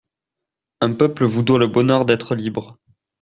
Un peuple vous doit le bonheur d'être libre.